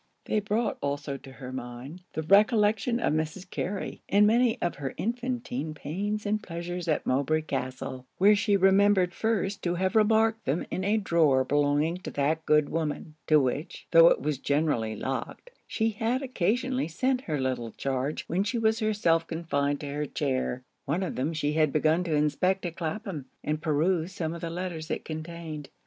They brought also to her mind the recollection of Mrs. Carey, and many of her infantine pains and pleasures at Mowbray Castle, where she remembered first to have remarked them in a drawer belonging to that good woman; to which, tho' it was generally locked, she had occasionally sent her little charge when she was herself confined to her chair. One of them she had began to inspect at Clapham, and perused some of the letters it contained.